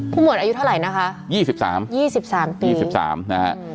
ผู้หมวดอายุเท่าไรนะคะยี่สิบสามยี่สิบสามปียี่สิบสามนะฮะ